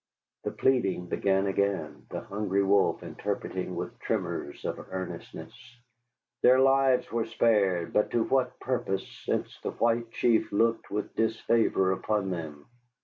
The pleading began again, the Hungry Wolf interpreting with tremors of earnestness. Their lives were spared, but to what purpose, since the White Chief looked with disfavor upon them?